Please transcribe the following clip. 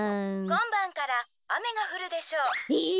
「こんばんからあめがふるでしょう」。